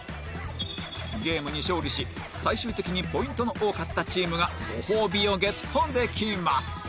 ゲームに勝利し最終的にポイントの多かったチームがご褒美をゲットできます